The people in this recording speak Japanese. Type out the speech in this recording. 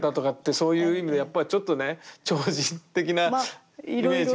そういう意味でやっぱちょっとね超人的なイメージが。